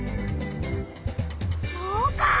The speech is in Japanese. そうか！